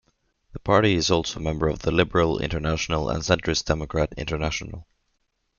The party is also a member of the Liberal International and Centrist Democrat International.